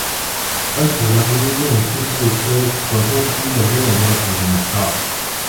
Давайте же мобилизуем всю силу человеческого духа, ибо время для этого уже настало.